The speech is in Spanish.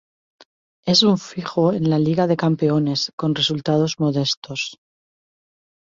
Es un fijo en la Liga de Campeones, con resultados modestos.